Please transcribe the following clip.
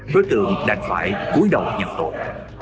đối tượng đành phải cuối đầu nhận tội